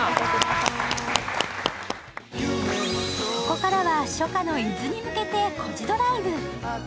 ここからは初夏の伊豆に向けて「コジドライブ」。